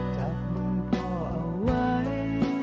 จับมือพ่อเอาไว้